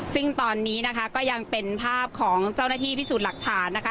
ซึ่งตอนนี้นะคะก็ยังเป็นภาพของเจ้าหน้าที่พิสูจน์หลักฐานนะคะ